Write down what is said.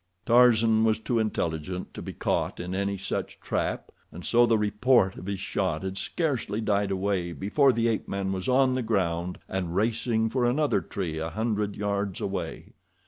Tarzan was too intelligent to be caught in any such trap, and so the report of his shot had scarcely died away before the ape man was on the ground and racing for another tree a hundred yards away.